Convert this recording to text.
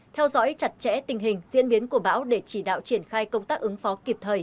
hai theo dõi chặt chẽ tình hình diễn biến của bão để chỉ đạo triển khai công tác ứng phó kịp thời